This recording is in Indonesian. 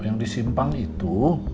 yang disimpang itu